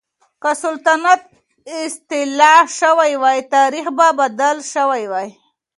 که سلطنت اصلاح شوی وای، تاريخ به بدل شوی وای.